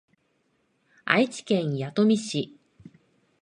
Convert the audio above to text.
愛知県弥富市